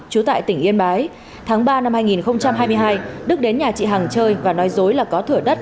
trú tại tỉnh yên bái tháng ba năm hai nghìn hai mươi hai đức đến nhà chị hằng chơi và nói dối là có thửa đất